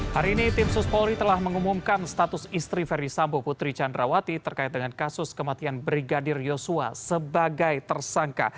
hari ini tim suspolri telah mengumumkan status istri verdi sambo putri candrawati terkait dengan kasus kematian brigadir yosua sebagai tersangka